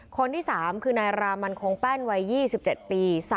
คนที่๓คือนายรามันคงแป้นวัย๒๗ปี